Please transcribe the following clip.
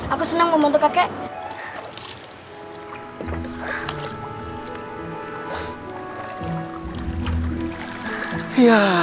aku senang ngomong untuk kakek